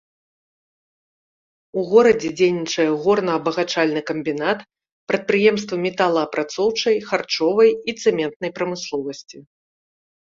У горадзе дзейнічае горна-абагачальны камбінат, прадпрыемствы металаапрацоўчай, харчовай і цэментнай прамысловасці.